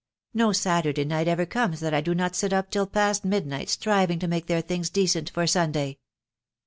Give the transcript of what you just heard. ..• No Saturday night ever comes that J do not sit up till past midnight striving to make their things decent for Sunday